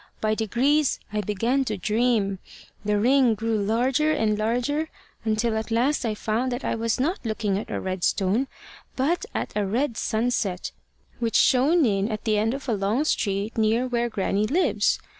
By degrees I began to dream. The ring grew larger and larger, until at last I found that I was not looking at a red stone, but at a red sunset, which shone in at the end of a long street near where Grannie lives.